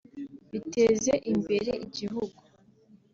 biteze imbere igihugu